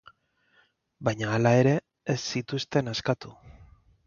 Baina hala ere ez zituzten askatu.